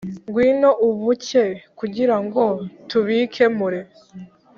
ngwino ubuke kugirango tubike mure